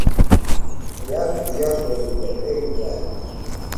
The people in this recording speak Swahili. Viatu vyako ni vya bei ghali